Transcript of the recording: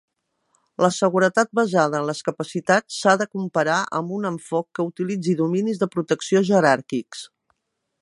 La seguretat basada en les capacitats s"ha de comparar amb un enfoc que utilitzi dominis de protecció jeràrquics.